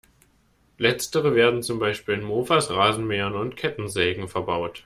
Letztere werden zum Beispiel in Mofas, Rasenmähern und Kettensägen verbaut.